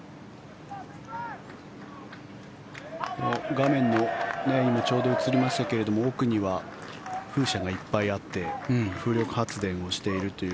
画面内にもちょうど映りましたけれど風車がいっぱいあって風力発電をしているという。